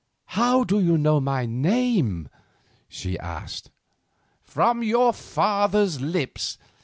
"How do you know my name?" she asked. "From your father's lips.